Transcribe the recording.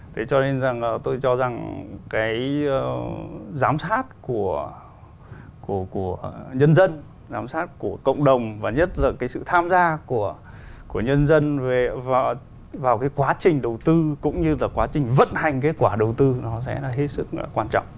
thế cho nên là tôi cho rằng cái giám sát của nhân dân giám sát của cộng đồng và nhất là cái sự tham gia của nhân dân vào cái quá trình đầu tư cũng như là quá trình vận hành cái quả đầu tư nó sẽ là hết sức quan trọng